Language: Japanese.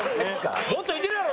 もっといてるやろ！